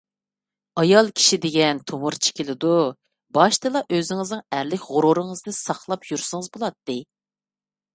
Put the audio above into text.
ئايال كىشى دېگەن تومۇرچى كېلىدۇ. باشتىلا ئۆزىڭىزنىڭ ئەرلىك غۇرۇرىڭىزنى ساقلاپ يۈرسىڭىز بولاتتى.